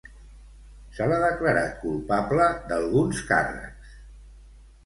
Se l'ha declarat culpable d'alguns càrrecs.